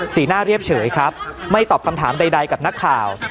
สีหน้าเรียบเฉยครับไม่ตอบคำถามใดกับนักข่าว